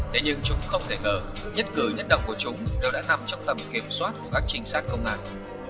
thế nhưng chúng không thể ngờ nhất cử nhất động của chúng đều đã nằm trong tầm kiểm soát của các trinh sát công an